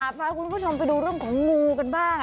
พาคุณผู้ชมไปดูเรื่องของงูกันบ้าง